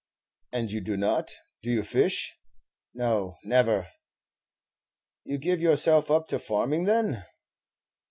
"And you do not. Do you fish?" "No; never." "You give yourself up to farming, then?"